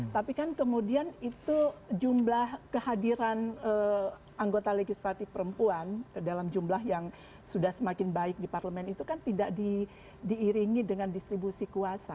tapi kan kemudian itu jumlah kehadiran anggota legislatif perempuan dalam jumlah yang sudah semakin baik di parlemen itu kan tidak diiringi dengan distribusi kuasa